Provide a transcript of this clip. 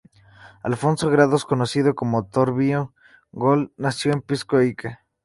Alfonso Grados, conocido como "Toribio Gol", nació en Pisco, Ica.